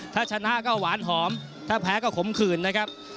ถ้าชนะก็หวานหอมถ้าแพ้ก็ขมขืนนะครับ